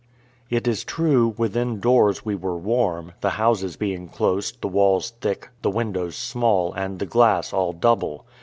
It is true, within doors we were warm, the houses being close, the walls thick, the windows small, and the glass all double.